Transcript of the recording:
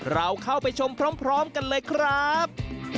เราเข้าไปชมพร้อมกันเลยครับ